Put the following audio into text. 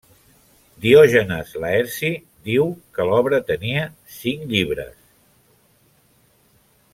Diògenes Laerci diu que l'obra tenia cinc llibres.